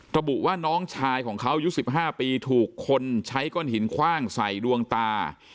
ระบุว่าน้องชายของเขาอายุ๑๕ปีถูกคนใช้ก้อนหินคว่างใส่ดวงตา